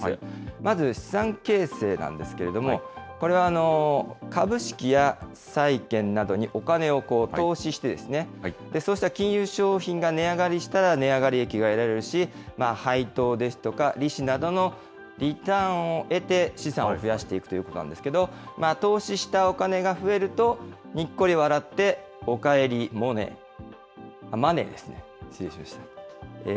まず、資産形成なんですけれども、これは株式や債券などにお金を投資して、そうした金融商品が値上がりしたら値上がり益が得られるし、配当ですとか、利子などのリターンを得て、資産を増やしていくということなんですけど、投資したお金が増えると、にっこり笑って、おかえりモネ、いや、マネーですね、失礼しました。